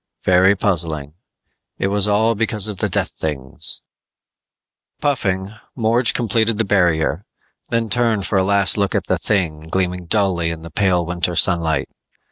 Very puzzling. But it was all because of the death things! Puffing, Morge completed the barrier, then turned for a last look at the 'thing gleaming dully in the pale winter sunlight.